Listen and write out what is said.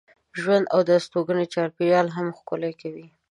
ژوند او د استوګنې چاپېریال هم ښکلی کوي.